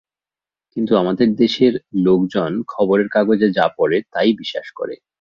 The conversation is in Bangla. কিন্তু আমাদের দেশের লোকজন খবরের কাগজে যা পড়ে তা-ই বিশ্বাস করে।